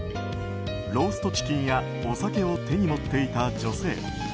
ローストチキンやお酒を手に持っていた女性。